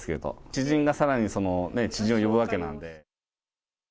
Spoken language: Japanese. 知人がさらに知人を呼ぶわけなんで。